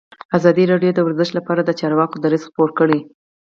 ازادي راډیو د ورزش لپاره د چارواکو دریځ خپور کړی.